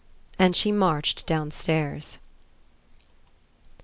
And she marched downstairs.